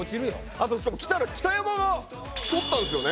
あとしかも北山が取ったんですよね。